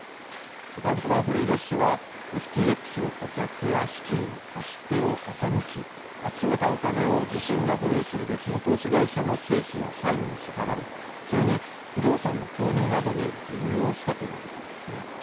バンクマンフリード氏はＦＴＸの顧客や資金の貸し手を欺き集めたお金を自身が保有する別の投資会社の経費や債務の支払いそれに、不動産の購入などに流用したということなんですね。